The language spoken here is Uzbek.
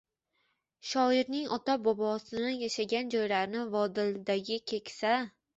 Shoirning ota-bobosini, yashagan joylarini Vodildagi keksa